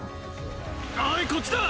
おいこっちだ！